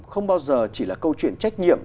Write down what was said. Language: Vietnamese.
không bao giờ chỉ là câu chuyện trách nhiệm